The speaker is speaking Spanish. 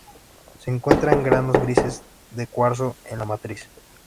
Se encuentran granos grises de cuarzo en la matriz.